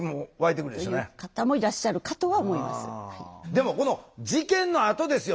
でもこの事件のあとですよ